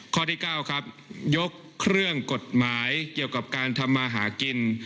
ข้อที่๙ครับยกเครื่องกฎหมายเกี่ยวกับการทำมาหากิน